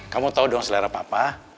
kamu tahu dong selera papa